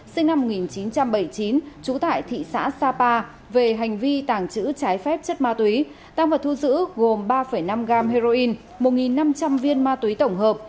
sinh năm một nghìn chín trăm bảy mươi chín trú tại thị xã sapa về hành vi tàng trữ trái phép chất ma túy tăng vật thu giữ gồm ba năm gram heroin một năm trăm linh viên ma túy tổng hợp